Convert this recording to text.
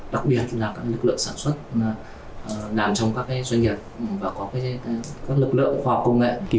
đặc biệt là các lực lượng sản xuất làm trong các doanh nghiệp và có các lực lượng khoa học công nghệ